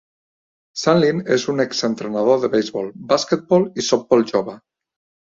Sandlin és un exentrenador de beisbol, basquetbol i softbol jove.